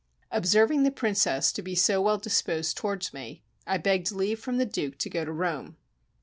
Observing the Princess to be so well disposed towards me, I begged leave from the Duke to go to Rome.